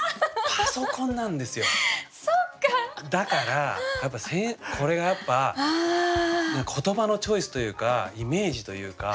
だからこれがやっぱ言葉のチョイスというかイメージというか。